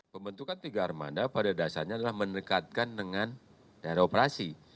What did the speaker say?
pembentukan tiga armada pada dasarnya adalah mendekatkan dengan daerah operasi